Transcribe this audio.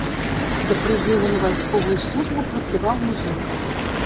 Да прызыву на вайсковую службу працаваў музыкам.